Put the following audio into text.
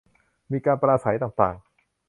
มีการปราศรัยต่างต่าง